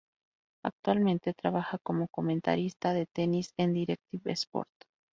Actualmente trabaja como comentarista de tenis en Directv Sports.